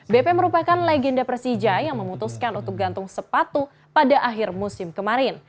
bp merupakan legenda persija yang memutuskan untuk gantung sepatu pada akhir musim kemarin